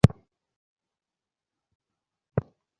চিনিবাস চাঙাড়ি মাথায় তুলিয়া পুনরায় অন্য বাড়ি চলিল।